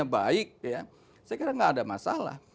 seluruhnya baik ya saya kira tidak ada masalah